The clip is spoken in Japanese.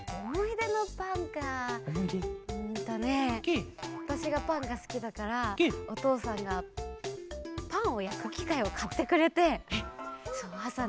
うんとねわたしがパンがすきだからおとうさんがパンをやくきかいをかってくれてあさね